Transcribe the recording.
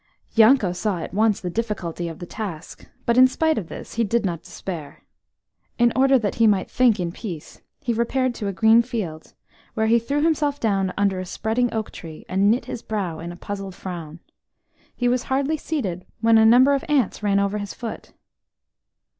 Yanko saw at once the difficulty of the task, but in spite of this he did not despair. In order that he might think in peace, he repaired to a green field, where he threw himself down under a spreading oak tree, and knit his brow in a puzzled frown. He was hardly seated when a number of ants ran over his foot.